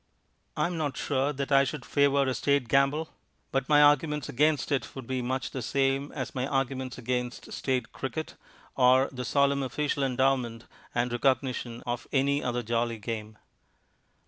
I am not sure that I should favour a State gamble, but my arguments against it would be much the same as my arguments against State cricket or the solemn official endowment and recognition of any other jolly game.